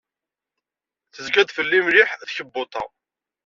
Tezga-d fell-i mliḥ tkebbuḍt-a.